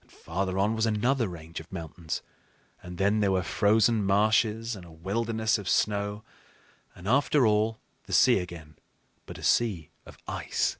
And farther on was another range of mountains; and then there were frozen marshes and a wilderness of snow, and after all the sea again, but a sea of ice.